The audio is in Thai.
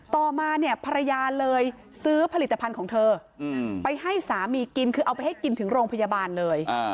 ต่อมาเนี่ยภรรยาเลยซื้อผลิตภัณฑ์ของเธอไปให้สามีกินคือเอาไปให้กินถึงโรงพยาบาลเลย